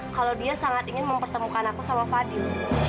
kalau dia sangat ingin mempertemukan aku sama fadil